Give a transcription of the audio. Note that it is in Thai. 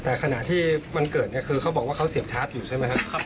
แต่ขณะที่วันเกิดเนี่ยคือเขาบอกว่าเขาเสียบชาร์จอยู่ใช่ไหมครับ